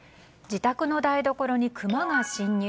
自宅の台所にクマが侵入。